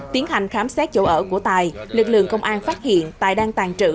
tiến hành khám xét chỗ ở của tài lực lượng công an phát hiện tài đang tàn trữ